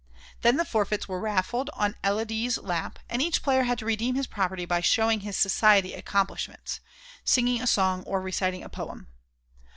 Then the forfeits were raffled on Élodie's lap, and each player had to redeem his property by showing his society accomplishments singing a song or reciting a poem.